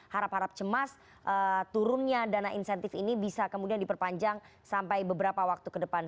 harap harap cemas turunnya dana insentif ini bisa kemudian diperpanjang sampai beberapa waktu ke depan